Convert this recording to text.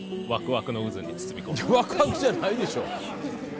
ワクワクじゃないでしょ！